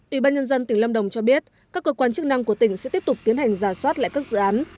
ủy ban nhân dân tỉnh lâm đồng cho biết các cơ quan chức năng của tỉnh sẽ tiếp tục tiến hành giả soát lại các dự án